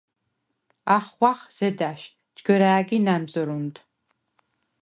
ახღვახ ზედა̈შ ჯგჷრა̄̈გი ნა̈მზჷრუნდ.